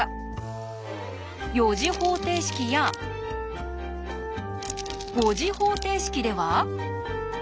４次方程式や５次方程式では？